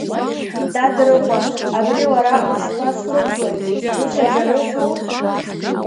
Дадрыҟәа абри уара ушԥазхәыцуеи, сгәы сажьарызу?